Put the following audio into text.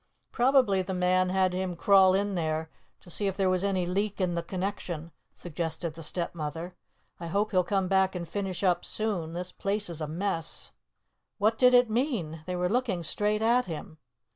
"Probably the man had him crawl in there to see if there was any leak in the connection," suggested the Stepmother. "I hope he'll come back and finish up soon. This place is a mess." What did it mean? They were looking straight at him.